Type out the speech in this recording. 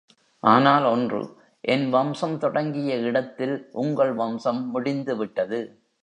ஆனால் ஒன்று என் வம்சம் தொடங்கிய இடத்தில், உங்கள் வம்சம் முடிந்து விட்டது.